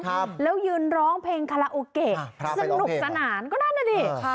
แล้วยืนร้องเพลงคาลาโอเกะสนุกสนานก็ได้นะดิ